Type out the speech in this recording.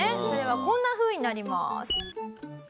それはこんなふうになります。